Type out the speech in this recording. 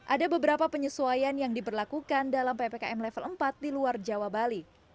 ada beberapa penyesuaian yang diberlakukan dalam ppkm level empat di luar jawa bali